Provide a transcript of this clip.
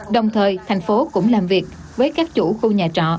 đồng thời thành phố cũng làm việc với các chủ khu nhà trọ